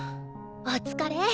お疲れ。